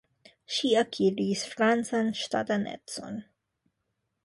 Ŝi akiris francan ŝtatanecon.